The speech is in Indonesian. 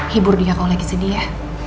hibur dia kau lagi sedih ya